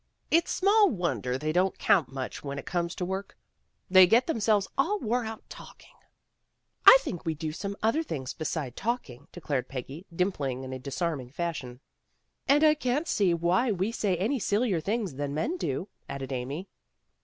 "It's small wonder they don't count much when it comes to work. They get themselves all wore out talking.'* "I think we do some other things beside talking," declared Peggy, dimpling in a dis arming fashion. "And I can't see that we say any sillier things than men do, '' added Amy.